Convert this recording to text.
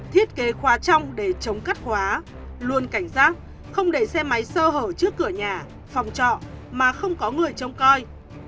thiết kế khóa trong để chống cắt khóa luôn cảnh giác không để xe máy sơ hở trước cửa nhà phòng trọ mà không có người trông coi